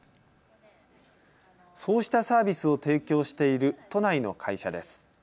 そうしたサービスを提供している都内の会社です。